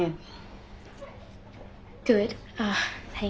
はい。